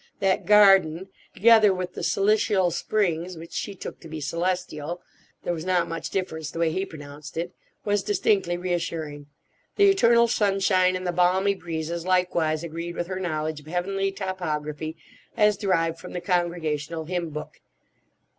That "garden," together with the "silicial springs"—which she took to be "celestial," there was not much difference the way he pronounced it—was distinctly reassuring. The "eternal sunshine" and the "balmy breezes" likewise agreed with her knowledge of heavenly topography as derived from the Congregational Hymn Book.